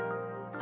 あ